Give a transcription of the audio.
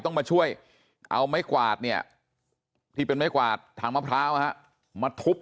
ต้องมาช่วยเอาไม้กวาดเนี่ยที่เป็นไม้กวาดทางมะพร้าวมาทุบ